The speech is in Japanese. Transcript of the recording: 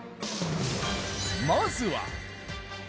まずは。